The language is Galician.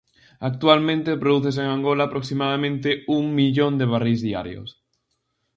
Actualmente prodúcense en Angola aproximadamente un millón de barrís diarios.